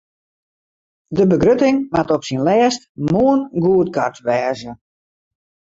De begrutting moat op syn lêst moarn goedkard wêze.